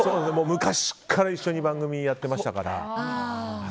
昔から一緒に番組をやっていましたから。